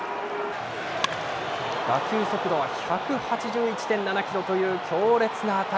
打球速度は、１８１．７キロという強烈な当たり。